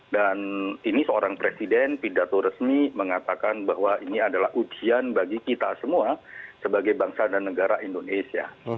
dan ini seorang presiden pidato resmi mengatakan bahwa ini adalah ujian bagi kita semua sebagai bangsa dan negara indonesia